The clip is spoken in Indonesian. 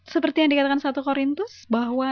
seperti yang dikatakan satu korintus bahwa